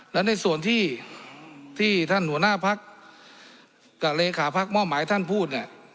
แล้วในส่วนที่ที่ท่านหัวหน้าพักษ์กับเลขาพักษ์หม้อหมายท่านพูดเนี้ย